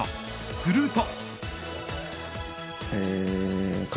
すると。